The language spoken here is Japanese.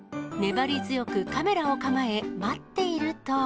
粘り強くカメラを構え、待っていると。